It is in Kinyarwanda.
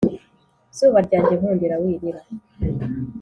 zuba ryanjye nkundira wirira